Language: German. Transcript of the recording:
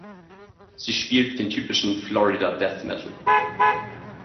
Sie spielt den typischen Florida-Death-Metal.